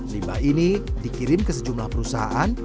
limbah ini dikirim ke sejumlah perusahaan